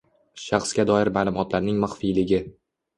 Shaxsga doir ma’lumotlarning maxfiyligi